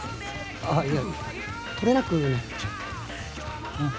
あっ、いや取れなくなっちゃって。